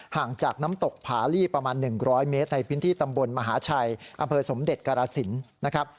ห่างจากน้ำตกผาลี่ประมาณหนึ่งร้อยเมตรในพินที่ตำบลมหาชัยอำเภอสมเด็จกราศิลป์